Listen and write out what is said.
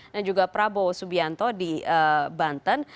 dan juga prabowo subianto di banten